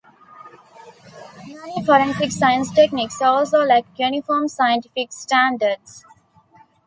Many forensic science techniques also lack uniform scientific standards.